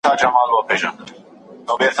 دا جوړښت د وینې له رګونو جوړ دی.